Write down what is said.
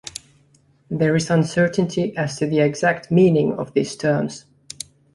There is uncertainty as to the exact meaning of these terms.